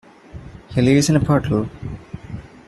He lives in a puddle.